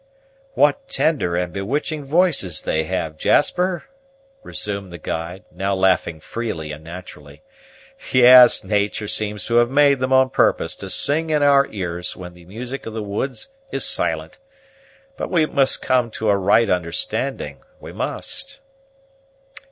"What tender and bewitching voices they have, Jasper!" resumed the guide, now laughing freely and naturally. "Yes, natur' seems to have made them on purpose to sing in our ears, when the music of the woods is silent. But we must come to a right understanding, we must.